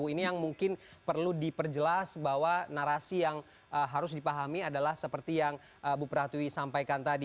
ini yang mungkin perlu diperjelas bahwa narasi yang harus dipahami adalah seperti yang bu pratwi sampaikan tadi